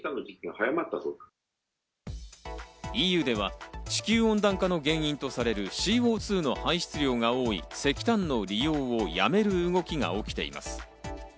ＥＵでは地球温暖化の原因とされるＣＯ２の排出量が多い石炭の利用をやめる動きが起きています。